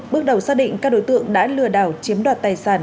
bước đầu xác định các đối tượng đã lừa đảo chiếm đoạt tài sản